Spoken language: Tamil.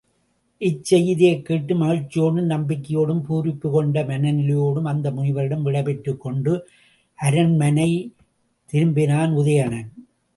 இச் செய்தியைக் கேட்டு மகிழ்ச்சியோடும் நம்பிக்கையோடும் பூரிப்புக் கொண்ட மனநிலையோடும் அந்த முனிவரிடம் விடைபெற்றுக்கொண்டு அரண்மனை திரும்பினான் உதயணன்.